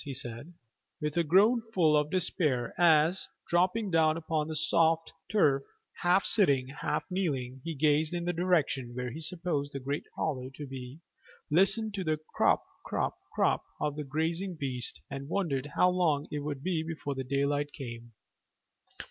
he said, with a groan full of despair, as, dropping down upon the soft turf, half sitting, half kneeling, he gazed in the direction where he supposed the great hollow to be, listened to the crop crop crop of the grazing beast, and wondered how long it would be before the daylight came.